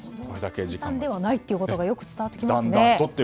そう簡単ではないということが伝わってきますね。